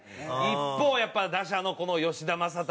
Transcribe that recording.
一方やっぱ打者のこの吉田正尚選手ね。